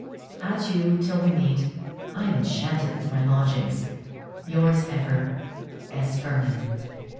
Adieu, till we meet; I am enchanted with my lodgings. Yours ever, S. VERNON.